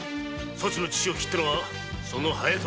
ソチの父を切ったのはその隼人正だ。